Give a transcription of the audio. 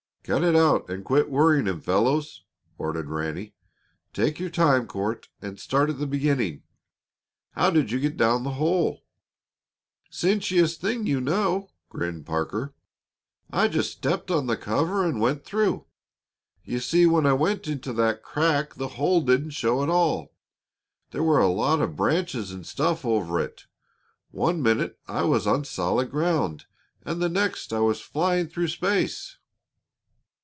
"Cut it out and quit worrying him, fellows," ordered Ranny. "Take your time, Court, and start at the beginning. How did you get down the hole?" "Cinchiest thing you know!" grinned Parker. "I just stepped on the cover and went through. You see, when I went into that crack the hole didn't show at all; there were a lot of branches and stuff over it. One minute I was on solid ground, and the next I was flying through space."